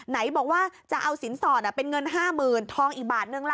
ไหนบอกว่าจะเอาสินสอนอ่ะเป็นเงินห้าหมื่นทองอีกบาทนึงล่ะ